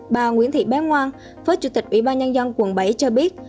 bà nguyễn thị bé ngoan phó chủ tịch ủy ban nhân dân quận bảy cho biết